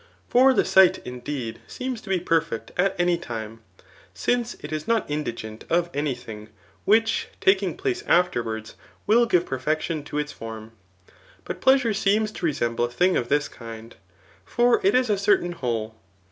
For the sight, in deed, seems to be perfect at any time ; since it is not indigent of any thing, which, taking place afterwards, will give perfection to its fotm. But pleasure seems to re semble a thing of this kind ; for it is a certain whole.